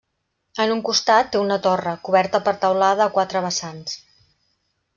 En un costat té una torre, coberta per teulada a quatre vessants.